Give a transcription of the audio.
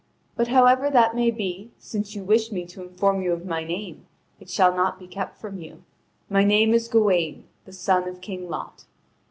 But however that may be, since you wish me to inform you of my name, it shall not be kept from you: my name is Gawain the son of King Lot."